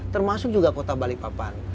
termasuk juga kota balikpapan